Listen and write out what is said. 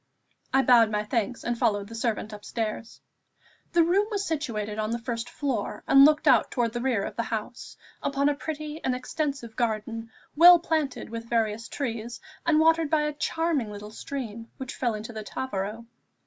I bowed my thanks, and followed the servant upstairs. The room was situated on the first floor, and looked out towards the rear of the house, upon a pretty and extensive garden, well planted with various trees, and watered by a charming little stream, which fell into the Tavaro.